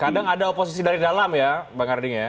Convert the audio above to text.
kadang ada oposisi dari dalam ya bang arding ya